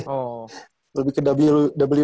oh lebih kedabi lu